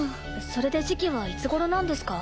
それで時期はいつごろなんですか？